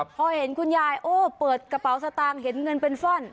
พอเห็นคุณยายโอ้เปิดกระเป๋าสตางค์เห็นเงินเป็นฟ่อน